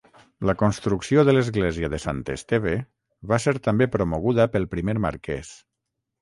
La construcció de l'església de Sant Esteve va ser també promoguda pel primer marquès.